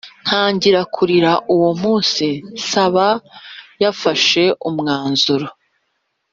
tangira kurira Uwo munsi Saba yafashe umwanzuro